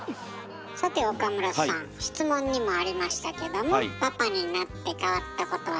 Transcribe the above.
さて岡村さん質問にもありましたけどもパパになって変わったことありますか？